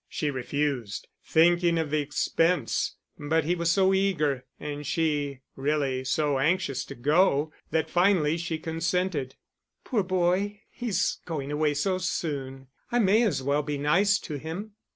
She refused, thinking of the expense; but he was so eager, and she really so anxious to go, that finally she consented. "Poor boy, he's going away so soon, I may as well be nice to him."